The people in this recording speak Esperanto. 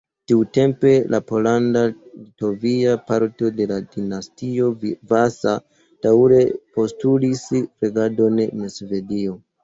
Tiutempe la pollanda-litovia parto de la dinastio Vasa daŭre postulis regadon en Svedio.